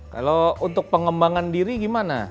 kalau untuk pengembangan diri gimana